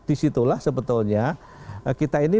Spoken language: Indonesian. disitulah sebetulnya kita ini